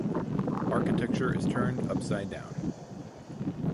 Architecture is turned upside down.